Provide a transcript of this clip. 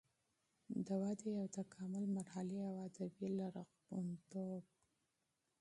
د ودې او تکامل مرحلې او ادبي لرغونتوب